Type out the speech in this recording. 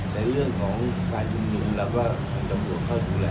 แต่เรื่องของการยุ่นหยุ่นแหละก็มันกำหนดเพิ่มดูแลดูแล